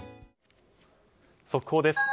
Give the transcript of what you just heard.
速報です。